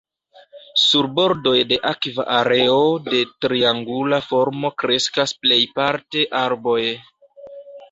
Sur bordoj de akva areo de triangula formo kreskas plejparte arboj.